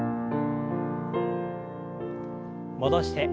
戻して。